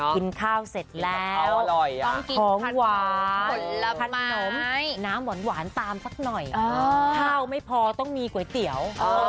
กินข้าวเสร็จแล้วต้องกินของหวานขนมน้ำหวานตามสักหน่อยข้าวไม่พอต้องมีก๋วยเตี๋ยว